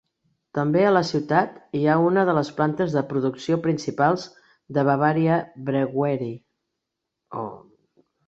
També a la ciutat, hi ha una de les plantes de producció principals de Bavaria Brewery.